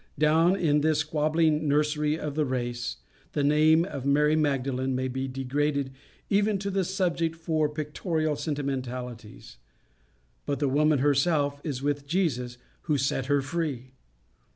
Down in this squabbling nursery of the race, the name of Mary Magdalene may be degraded even to a subject for pictorial sentimentalities; but the woman herself is with that Jesus who set her free.